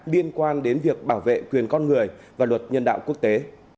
liên quan đến việc bảo vệ quyền con người và luật nhân đạo quốc tế